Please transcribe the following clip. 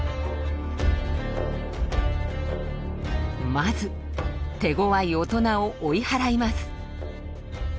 まず手ごわい大人を追い払います。